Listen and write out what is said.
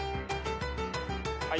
はい。